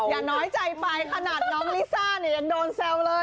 อย่าน้อยใจไปขนาดน้องลิซ่าเนี่ยยังโดนแซวเลย